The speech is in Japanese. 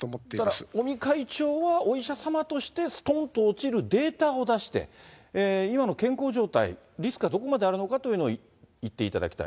ただ尾身会長は、お医者様として、すとんと落ちるデータを出して、今の健康状態、リスクはどこまであるのかというのを言っていただきたい。